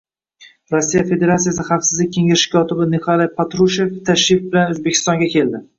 Rossiya Federatsiyasi Xavfsizlik Kengashi kotibi Nikolay Patrushev iy tashrif bilan O'zbekistonga keldi